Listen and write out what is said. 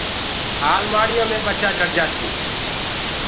المآڙيو مي ٻچآ چڙ جاسيٚ۔